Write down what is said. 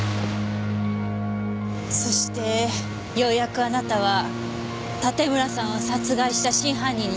そしてようやくあなたは盾村さんを殺害した真犯人にたどり着いた。